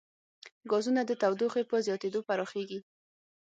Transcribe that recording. ګازونه د تودوخې په زیاتېدو پراخېږي.